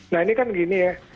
nah ini kan gini ya